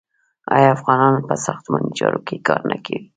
آیا افغانان په ساختماني چارو کې کار نه کوي؟